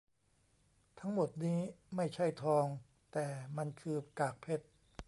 ทั้งหมดนี้ไม่ใช่ทองแต่มันคือกากเพชร